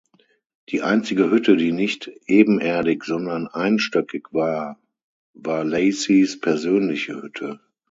Die einzige Hütte, die nicht ebenerdig, sondern einstöckig war, war Lacys persönliche Hütte.